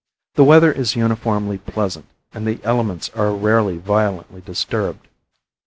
The weather is uniformly pleasant, and the elements are rarely violently disturbed.